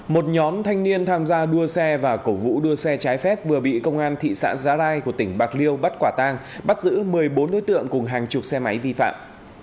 một nhóm thanh niên tham gia đua xe và cổ vũ đua xe trái phép vừa bị công an thị xã giá rai của tỉnh bạc liêu bắt quả tang bắt giữ một mươi bốn đối tượng cùng hàng chục xe máy vi phạm